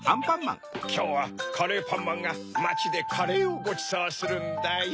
きょうはカレーパンマンがまちでカレーをごちそうするんだよ。